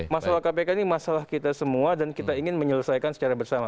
masalah kpk ini masalah kita semua dan kita ingin menyelesaikan secara bersama